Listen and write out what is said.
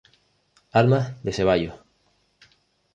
Armas de Ceballos.